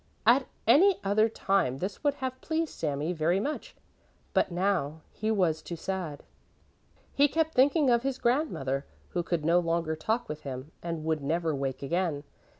At any other time this would have pleased Sami very much, but now he was too sad. He kept thinking of his grandmother, who could no longer talk with him and would never wake again.